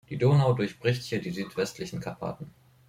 Die Donau durchbricht hier die südwestlichen Karpaten.